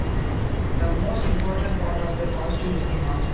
The most important part of the costume is the mask.